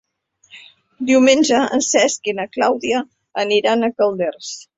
Diumenge en Cesc i na Clàudia aniran a Calders.